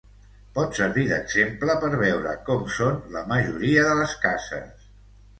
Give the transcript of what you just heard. Pot servir d'exemple per veure com són la majoria de les cases.